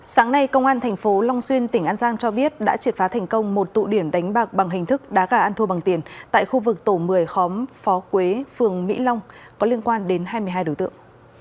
sáng nay công an tp long xuyên tỉnh an giang cho biết đã triệt phá thành công một tụ điểm đánh bạc bằng hình thức đá gà ăn thua bằng tiền tại khu vực tổ một mươi khóm phó quế phường mỹ long có liên quan đến hai mươi hai đối tượng